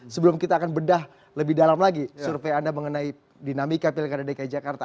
sebelum kita akan bedah lebih dalam lagi survei anda mengenai dinamika pilkada dki jakarta